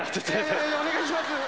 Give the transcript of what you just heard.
お願いします。